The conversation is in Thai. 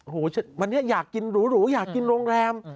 โอ้โหวันนี้อยากกินหรูอยากกินโรงแรม